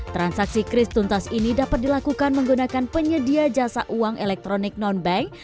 transaksi kris tuntas ini dapat dilakukan menggunakan penyedia jasa uang elektronik non bank